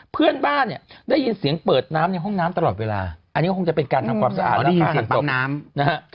เพื่อนบ้านเนี่ยได้ยินเสียงเปิดน้ำในห้องน้ำตลอดเวลาอันนี้ก็คงจะเป็นการทำความสะอาดและห่างตกน้ำนะฮะ